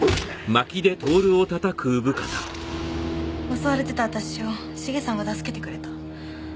襲われてた私をシゲさんが助けてくれた。